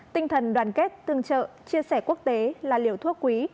tinh thần đoàn kết tương trợ chia sẻ quốc tế là liều thuốc quý